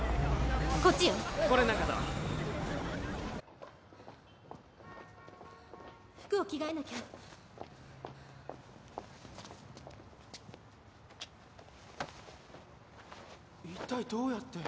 こっちよ服を着替えなきゃ一体どうやって？